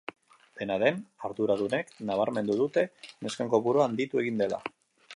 Dena den, arduradunek nabarmendu dute nesken kopurua handitu egin dela.